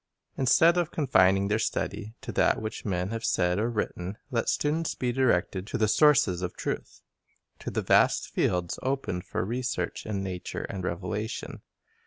Instead of confining their study to that which men have said or written, let students be directed to the sources of truth, to the vast fields opened for research in nature and revelation.